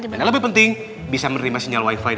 dan yang lebih penting bisa menerima sinyal wifi